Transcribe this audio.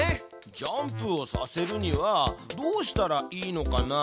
ジャンプをさせるにはどうしたらいいのかな？